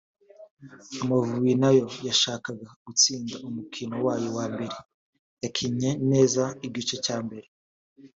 Amavubi nayo yashakaga gutsinda umukino wayo wa mbere yakinnye neza igice cya mbere